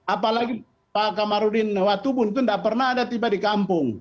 apalagi pak kamarudin watubun itu tidak pernah ada tiba di kampung